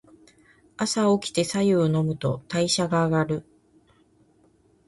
朝おきて白湯を飲むと代謝が上がる。